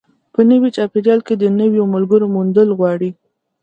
په نوي چاپېریال کې د نویو ملګرو موندل غواړي.